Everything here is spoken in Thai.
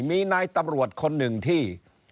มีนายตำรวจคนหนึ่งที่